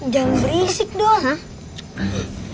jangan berisik doang